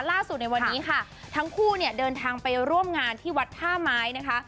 ในวันนี้ค่ะทั้งคู่เนี่ยเดินทางไปร่วมงานที่วัดท่าไม้นะคะ